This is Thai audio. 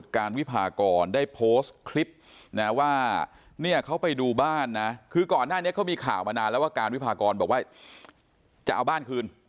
การวิพากรได้โพสต์คลิปนะว่าเนี่ยเขาไปดูบ้านนะคือก่อนหน้านี้เขามีข่าวมานานแล้วว่าการวิพากรบอกว่าจะเอาบ้านคืน